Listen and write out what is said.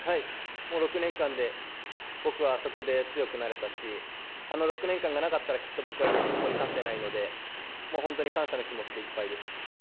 ６年間で、僕はそこで強くなれたし、あの６年間がなかったら、きっと僕は今、ここに立っていないので、もう本当に感謝の気持ちでいっぱいです。